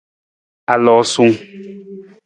Aloosung.